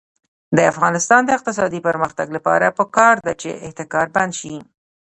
د افغانستان د اقتصادي پرمختګ لپاره پکار ده چې احتکار بند شي.